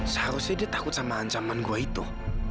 seharusnya dia takut sama ancaman gue itu